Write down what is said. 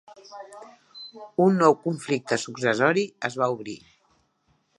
Un nou conflicte successori es va obrir.